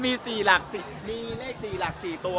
มันมีเลข๔หลัก๔ตัว